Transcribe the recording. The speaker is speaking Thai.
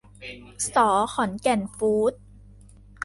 ส ขอนแก่นฟู้ดส์